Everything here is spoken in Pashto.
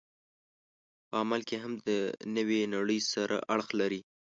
په عمل کې هم د نوې نړۍ سره اړخ لري.